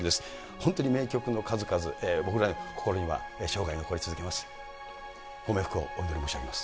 本当に名曲の数々、僕らの心には生涯残り続けます。